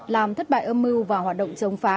làm thất bại âm mưu và hoạt động chống phá